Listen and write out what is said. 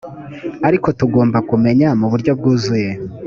ariko tugomba kumenya mu buryo byuzuye